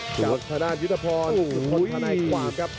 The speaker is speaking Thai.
กับทะดานยุทธพรผลธนายความครับ